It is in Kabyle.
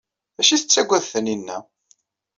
D acu ay tettaggad Taninna?